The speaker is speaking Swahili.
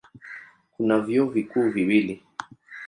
Kuna vyuo vikuu viwili.